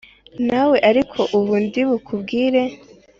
nawe Ariko uwo ndi bukubwire